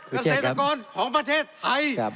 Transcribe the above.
เกษตรกรของประเทศไทย